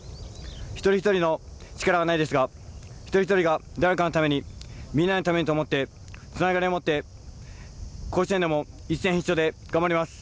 １人１人の力はないですが１人１人が誰かのためにみんなのためにと思ってつながりを持って甲子園でも一戦必勝で頑張ります。